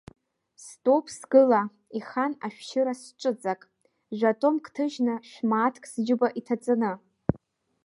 Стәоуп сгыла ихан ашәшьыра сҽыҵак, жәа-томк ҭыжьны, шә-мааҭк сџьыба иҭаҵаны.